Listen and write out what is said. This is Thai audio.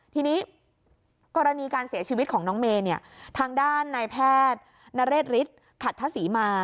ทีนี้กรณีการเสียชีวิตของน้องเมย์เนี่ยทางด้านนายแพทย์นเรศฤทธิ์ขัดทะศรีมา